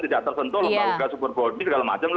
tidak tertentu lupa lupa super body segala macam